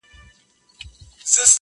زمانه که دي په رایه نه ځي خیر دی-